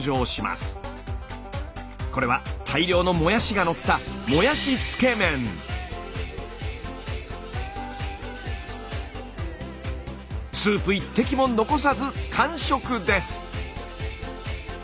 これは大量のもやしがのったスープ１滴も残さず完食です！